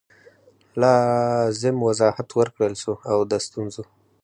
لازم وضاحت ورکړل سو او د ستونزو